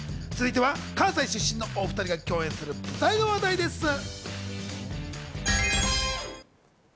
続いては関西出身のお２人が共演する舞台の話題です。